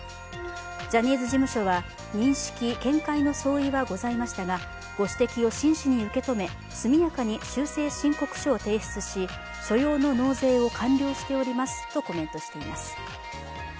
ジャニーズ事務所は認識・見解の相違はございましたがご指摘を真摯に受け止め、速やかに修正申告書を提出し所要の納税を完了しておりますとコメントしています。